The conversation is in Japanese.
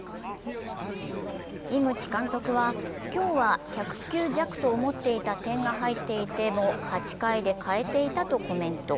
井口監督は、今日は１００球弱と思っていた、点が入っていても８回で代えていたとコメント。